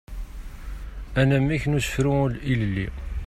Anamek n usefru ilelli.